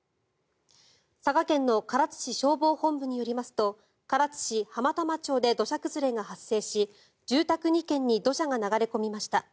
佐賀県の唐津市消防本部によりますと唐津市浜玉町で土砂崩れが発生し住宅２軒に土砂が流れ込みました。